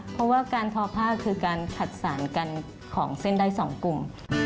เพราะว่าการทอผ้าคือการผัดสารกันของเส้นได้๒กลุ่ม